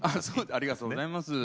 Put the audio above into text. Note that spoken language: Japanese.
ありがとうございます。